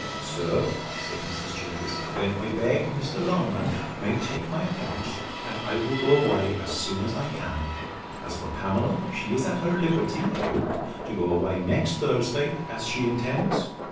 Sir, said Mrs. Jervis, then I beg Mr. Longman may take my accounts, and I will go away as soon as I can. As for Pamela, she is at her liberty, I hope, to go away next Thursday, as she intends?